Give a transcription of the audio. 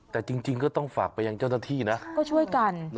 แต่จริงก็ต้องฝากไปยังเจ้าหน้าที่นะก็ช่วยกัน